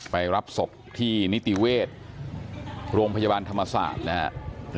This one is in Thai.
ไปรับศพที่นิติเวชโรงพยาบาลธรรมศาสตร์นะครับ